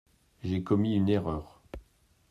J’ai commis une erreur.